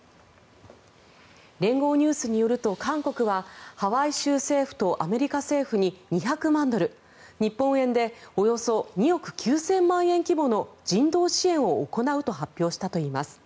連合ニュースによると、韓国はハワイ州政府とアメリカ政府に２００万ドル、日本円でおよそ２億９０００万円規模の人道支援を行うと発表したといいます。